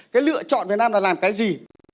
cái lựa chọn việt nam là làm cái gì